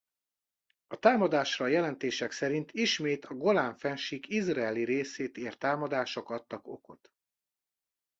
A támadásra a jelentések szerint ismét a Golán-fennsík izraeli részét ért támadások adtak okot.